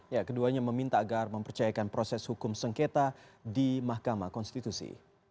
ya keduanya meminta agar mempercayakan proses hukum sengketa di mahkamah konstitusi